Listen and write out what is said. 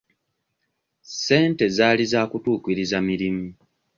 Ssente zaali za kutuukiriza mirimu.